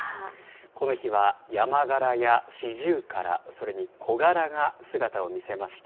この日は、ヤマガラやシジュウカラ、それにコガラが姿を見せました。